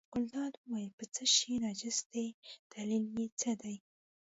ګلداد وویل په څه شي نجس دی دلیل یې څه دی.